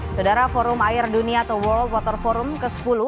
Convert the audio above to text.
saudara forum air dunia atau world water forum ke sepuluh